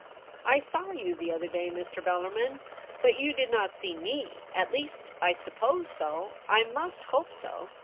* I saw you the other day, Mr. Bellarmin, but you did not see 7ne ; at least, I sup pose so ; I must hope so.